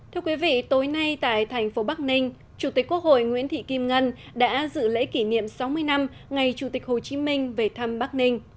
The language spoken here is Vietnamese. thưa quý vị tối nay tại thành phố bắc ninh chủ tịch quốc hội nguyễn thị kim ngân đã dự lễ kỷ niệm sáu mươi năm ngày chủ tịch hồ chí minh về thăm bắc ninh